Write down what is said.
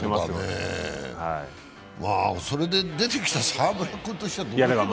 それで出てきた澤村君としては。